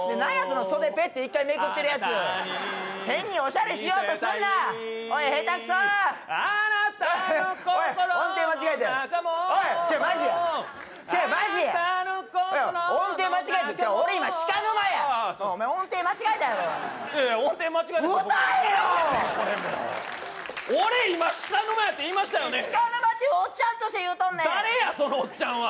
誰やそのおっちゃんは！